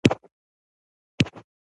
نخرې مه کوه !